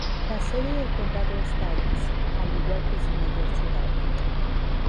La sede del condado es Dallas, al igual que su mayor ciudad.